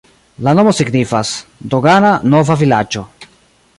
La nomo signifas: dogana-nova-vilaĝo.